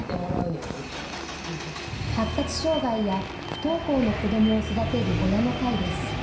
発達障害や不登校の子どもを育てる親の会です。